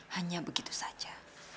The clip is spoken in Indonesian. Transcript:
hanya begitu saja